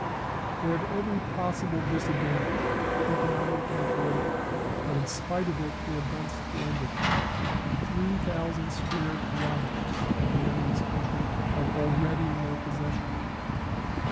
They have every possible disadvantage, economic and political. But in spite of it they have done splendidly. Three thousand square kilometres of the enemy's country are already in their possession.